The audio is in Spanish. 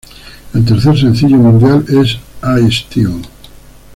El tercer sencillo mundial es "I Still...".